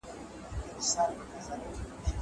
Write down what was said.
زه مخکي کښېناستل کړي وو!!